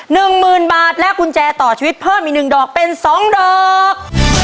๑หมื่นบาทและกุญแจต่อชีวิตเพิ่มอีก๑ดอกเป็น๒ดอก